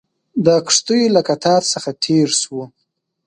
د کښتیو له قطار څخه تېر شوو.